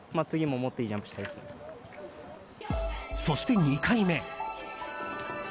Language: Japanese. そして２回目。